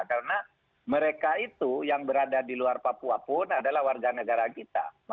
karena mereka itu yang berada di luar papua pun adalah warga negara kita